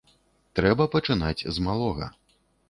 Трэба пачынаць з малога.